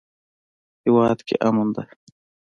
هیواد کې امن ده